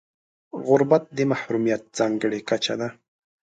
غربت د محرومیت ځانګړې کچه ده.